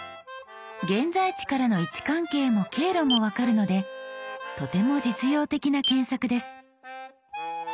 現在地からの位置関係も経路も分かるのでとても実用的な検索です。